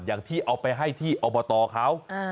อย่างที่เอาไปให้ที่อบตเขา